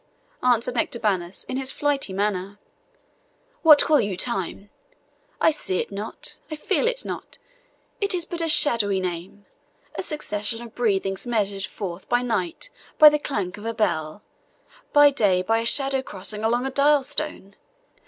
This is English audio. answered Nectabanus, in his flighty manner; "what call you time? I see it not I feel it not it is but a shadowy name a succession of breathings measured forth by night by the clank of a bell, by day by a shadow crossing along a dial stone.